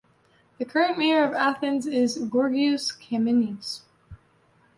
The current mayor of Athens is Giorgos Kaminis.